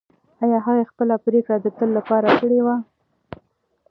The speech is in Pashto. ایا هغې خپله پرېکړه د تل لپاره کړې وه؟